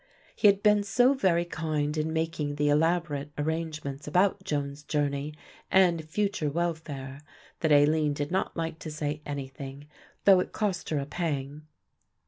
He had been so very kind in making the elaborate arrangements about Joan's journey and future welfare that Aline did not like to say anything, though it cost her a pang.